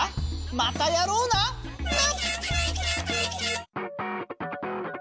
またやろうな。な！